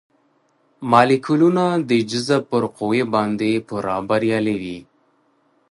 مالیکولونه د جذب پر قوې باندې پوره بریالي وي.